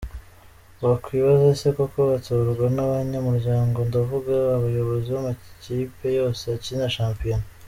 Wakwibaza ese koko batorwa n’abanyamuryango, ndavuga abayobozi b’amakipe yose akina shampiyona?